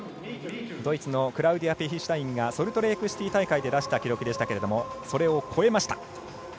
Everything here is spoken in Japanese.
ドイツのクラウディア・ペヒシュタインがソルトレークシティー大会で出した記録でしたがそれを超えました。